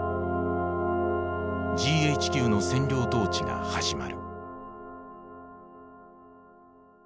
ＧＨＱの占領統治が始まる。